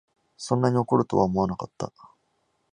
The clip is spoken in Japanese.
そんなに怒るとは思わなかった